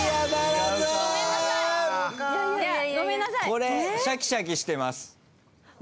これシャキシャキしてます。